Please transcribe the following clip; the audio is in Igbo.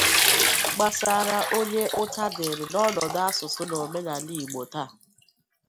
Gbasaara onye ụta dịịrị n'ọnọdụ asụsụ na omenala Igbo taa